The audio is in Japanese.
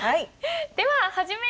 では始め！